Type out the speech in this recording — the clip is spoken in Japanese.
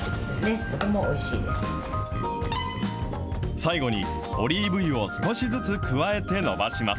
最後にオリーブ油を少しずつ加えて伸ばします。